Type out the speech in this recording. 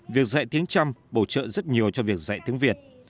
việc dạy tiếng trăm bổ trợ rất nhiều cho việc dạy tiếng việt